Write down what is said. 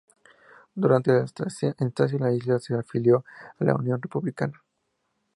Durante la estancia en las islas se afilió a la Unión Republicana.